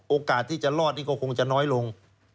โอกาสที่จะรอดนี่ก็คงจะน้อยลง